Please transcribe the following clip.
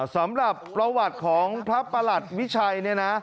สำหรับประวัติของพระประหลัดวิชัย